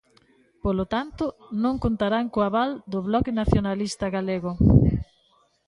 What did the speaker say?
Polo tanto, non contarán co aval do Bloque Nacionalista Galego.